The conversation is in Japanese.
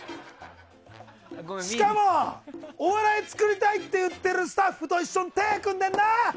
しかも、お笑い作りたいって言ってるスタッフと一緒に手を組んでるな！